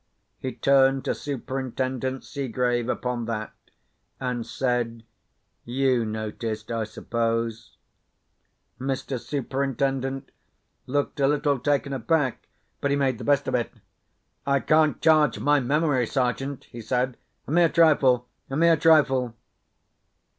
He turned to Superintendent Seegrave upon that, and said, "You noticed, I suppose?" Mr. Superintendent looked a little taken aback; but he made the best of it. "I can't charge my memory, Sergeant," he said, "a mere trifle—a mere trifle."